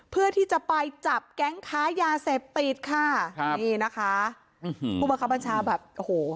เพื่อที่จะไปจับแก๊งค้ายาเสพติดค่ะครับนี่นะคะอืมผู้บังคับบัญชาแบบโอ้โห